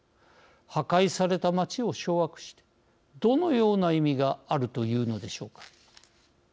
破壊された街を掌握してどのような意味があるというのでしょうか。